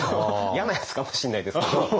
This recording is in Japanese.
嫌なやつかもしんないですけども。